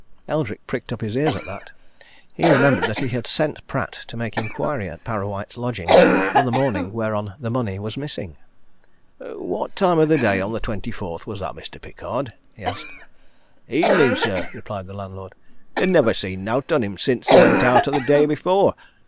Eldrick pricked up his ears at that. He remembered that he had sent Pratt to make inquiry at Parrawhite's lodgings on the morning whereon the money was missing. "What time of the day on the twenty fourth was that, Mr. Pickard?" he asked. "Evenin', sir," replied the landlord. "They'd nivver seen naught of him since he went out the day before.